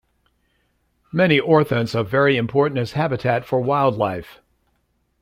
Many orthents are very important as habitat for wildlife.